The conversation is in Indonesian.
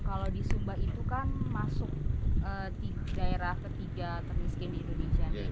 kalau di sumba itu kan masuk daerah ketiga termiskin di indonesia